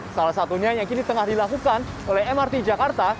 salah satunya yang kini tengah dilakukan oleh mrt jakarta